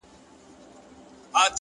که خوشبو يې چرته ستا د بدن راوړه